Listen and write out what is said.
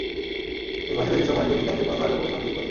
তিন মাসের বেশি সময় তিনি ব্যাংকের কোনো কার্যক্রমের সঙ্গে যুক্ত নেই।